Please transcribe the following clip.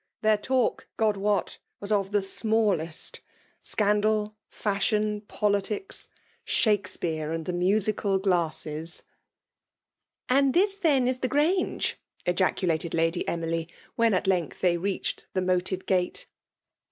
Thebr talk, Grod wot, was of the smallest !— Scandal, fashion, politics> —*' Shale speace and the musical gbwses.*" " And this then is the Grange ?*' gaodated Lady Emily, when at length they reached the moated gate.